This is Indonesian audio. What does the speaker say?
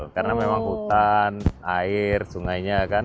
karena memang hutan air sungainya kan